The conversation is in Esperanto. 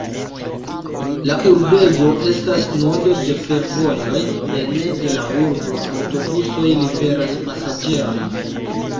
La urbego estas nodo de fervojoj, ene de la urbo aŭtobusoj liveras la pasaĝerojn.